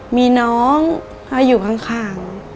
มีน้องเขาอยู่ข้าง